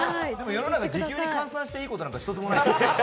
世の中、時給に換算していいことなんて一個もない。